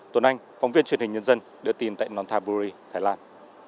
tuấn anh phóng viên truyền hình nhân dân đưa tin tại nonthaburi thái lan